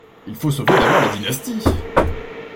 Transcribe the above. Il faut sauver d'abord la dynastie.